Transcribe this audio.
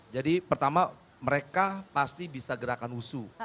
jadi pertama mereka pasti bisa gerakan wushu